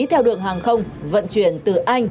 theo đường hàng không vận chuyển từ anh